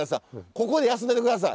ここで休んでて下さい。